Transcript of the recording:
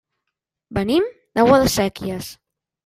Venim de Guadasséquies.